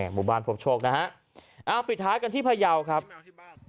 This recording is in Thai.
หมุนบาลโผล่ชกนะฮะเอ่อปิดท้ายกันที่พยาบาลครับที่บ้าน